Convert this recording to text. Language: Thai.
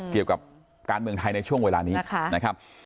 เกี่ยวกับการเมืองไทยในช่วงเวลานี้นะครับ